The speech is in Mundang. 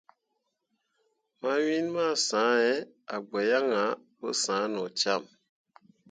Mawin masǝ̃he a gbǝ yaŋ ahe pǝ sah no cam.